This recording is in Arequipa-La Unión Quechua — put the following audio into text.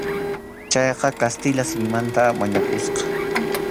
Chayqa kastilla simimanta mañakusqa.